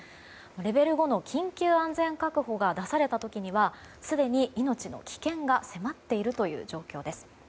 レベル５の緊急安全確保が出された時にはすでに命の危険が迫っているという状況です。